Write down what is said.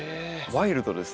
ワイルドですね。